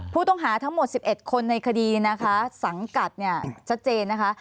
ผู้ต้องหาทั้งหมด๑๑คนในคดีสังกัดชัดเจนนะคะ